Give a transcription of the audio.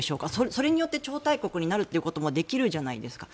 それによって超大国になるということもできるじゃないですか。